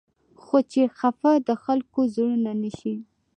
خو چې خفه د خلقو زړونه نه شي